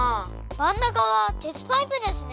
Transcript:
まんなかはてつパイプですね。